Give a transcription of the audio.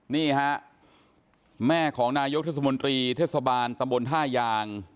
นี่ฮะแม่ของนายกเทศมนตรีเทศบาลตำบลท่ายาง